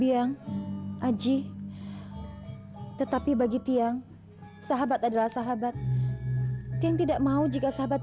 bisa kita jadikan pengawal pribadi untuk lara sati